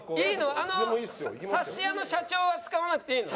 あのサッシ屋の社長は使わなくていいの？